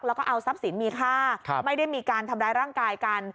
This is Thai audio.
แล้วก็เอาทรัพย์สินมีค่าไม่ได้มีการทำร้ายร่างกายกัน